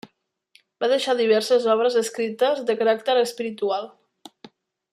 Va deixar diverses obres escrites de caràcter espiritual.